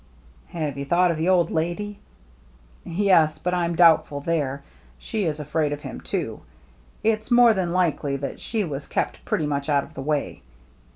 " Have you thought of the old lady ?"" Yes, but I'm doubtful there. She is afraid of him too. It's more than likely that she was kept pretty much out of the way.